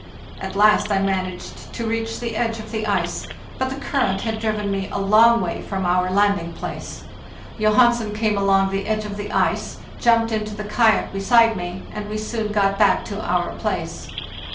At last I managed to reach the edge of the ice, but the current had driven me a long way THE JOURNEY SOUTHWARD 515 from our landing place. Johansen came along the edge of the ice, jumped into the kayak beside me, and we soon got back to our place.